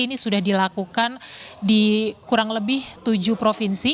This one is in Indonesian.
ini sudah dilakukan di kurang lebih tujuh provinsi